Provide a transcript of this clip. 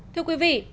thưa quý vị